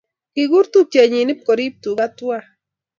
Kigur tupchennyi pkorip tuga twai.